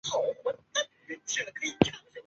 韦志成。